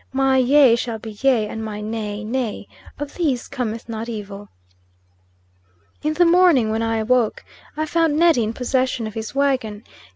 My yea shall be yea, and my nay nay. Of these cometh not evil." In the morning when I awoke, I found Neddy in possession of his wagon.